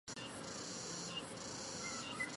过后才会发现